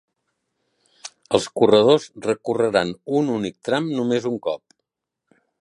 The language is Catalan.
Els corredors recorreran un únic tram només un cop.